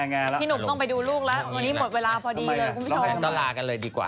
โอ๊ยหนูนี่หมดเวลาพอดีรู้ไม่ชอบกล้าร่ากันเลยดีกว่า